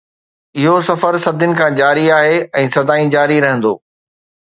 اهو سفر صدين کان جاري آهي ۽ سدائين جاري رهندو.